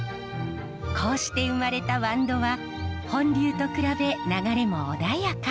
こうして生まれたワンドは本流と比べ流れも穏やか。